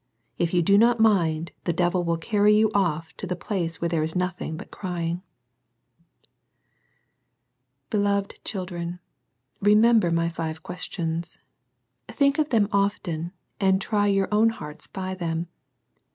If you do not mind the devil will carry you off to the place where there is nothing but " crying." Beloved children, remember my five questious. Think of them often, and try your own hearts by them.